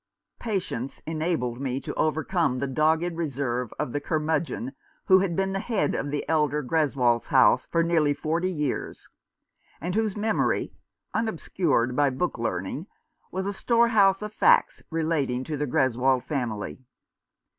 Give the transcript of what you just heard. Patience enabled me to overcome the dogged reserve of the curmudgeon who had been the head of the elder Greswold's house for nearly forty years, and whose memory — unobscured by book learning — was a storehouse of facts relating to the Greswold family.